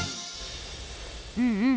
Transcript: うんうん。